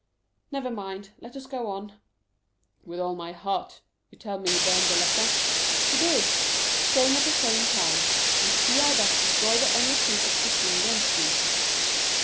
"Never mind; let us go on." "With all my heart! You tell me he burned the letter?" "He did; saying at the same time, 'You see I thus destroy the only proof existing against you.